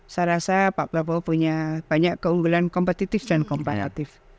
saya rasa pak prabowo punya banyak keunggulan kompetitif dan komparatif